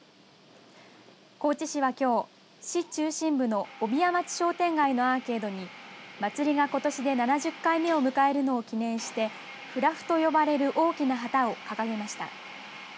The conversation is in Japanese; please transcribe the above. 高知市は、きょう市中心部の帯屋町商店街のアーケードに祭りがことしで７０回目を迎えるのを記念してフラフと呼ばれる大きな旗を掲げました。